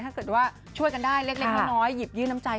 ถ้าเกิดว่าช่วยกันได้เล็กน้อยหยิบยื่นน้ำใจ